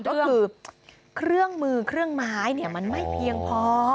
ก็คือเครื่องมือเครื่องไม้มันไม่เพียงพอ